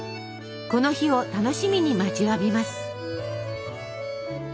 この日を楽しみに待ちわびます。